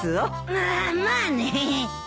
まっまあね。